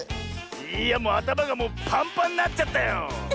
いやあたまがもうパンパンになっちゃったよ！